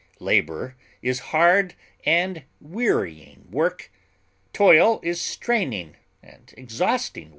Labor is hard and wearying work; toil is straining and exhausting work.